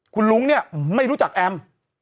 คุณลุงเนี่ยไม่รู้จักแอม